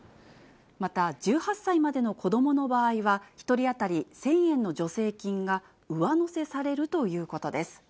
また、１８歳までの子どもの場合は、１人当たり１０００円の助成金が上乗せされるということです。